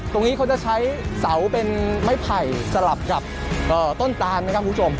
ตรงนี้เขาจะใช้เสาเป็นไม้ไผ่สลับกับต้นตานนะครับคุณผู้ชม